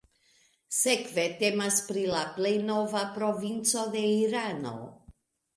Sekve temas pri al plej nova provinco de Irano.